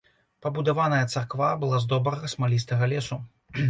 Пабудаваная царква была з добрага смалістага лесу.